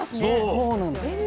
そうなんです。